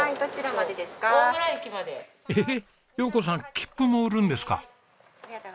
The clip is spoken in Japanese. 切符も売るんですか？